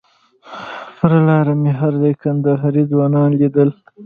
پر لاره مې هر ځای کندهاري ځوانان لیدل.